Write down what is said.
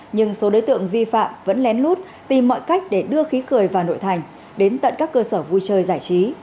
nhưng số đối tượng vi phạm vẫn lén lút tìm mọi cách để đưa khí cười vào nội thành đến tận các cơ sở vui chơi giải trí